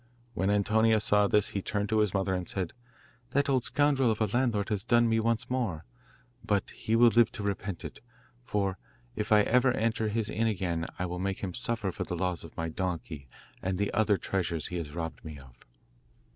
When Antonio saw this he turned to his mother and said: 'That old scoundrel of a landlord has done me once more; but he will live to repent it, for if I ever enter his inn again, I will make him suffer for the loss of my donkey and the other treasures he has robbed me of.